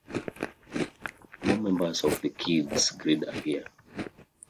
More members of the Kids Grid are here.